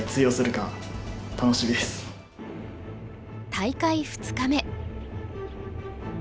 大会２日目。